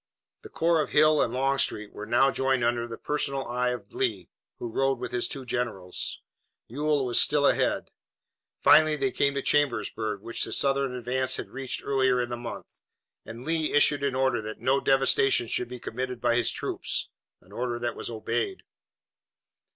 The corps of Hill and Longstreet were now joined under the personal eye of Lee, who rode with his two generals. Ewell was still ahead. Finally they came to Chambersburg, which the Southern advance had reached earlier in the month, and Lee issued an order that no devastation should be committed by his troops, an order that was obeyed.